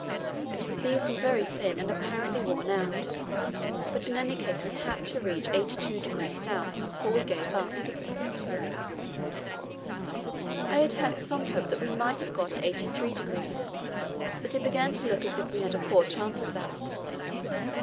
These were very thin, and apparently worn out; but in any case we had to reach 82° S. before we gave up. I had had some hope that we might have got to 83°, but it began to look as if we had a poor chance of that.